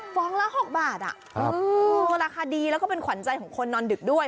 องละ๖บาทก็ราคาดีแล้วก็เป็นขวัญใจของคนนอนดึกด้วย